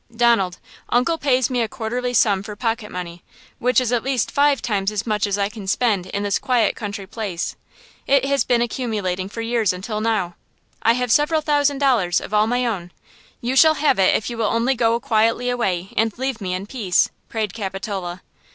"Donald, Uncle pays me a quarterly sum for pocket money, which is at least five times as much as I can spend in this quiet country place. It has been accumulating for years until now! I have several thousand dollars all of my own. You shall have it if you will only go quietly away and leave me in peace!" prayed Capitola.